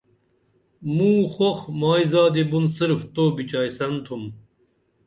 موں خو مائی زادی بُن صرف تو بِچائیسن تُھم